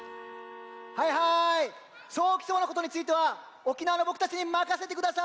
はいはいソーキそばのことについては沖縄のボクたちにまかせてください！